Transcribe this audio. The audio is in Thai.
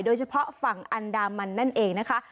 โดยเฉพาะฝั่งอันดามันนั่นเองนะคะ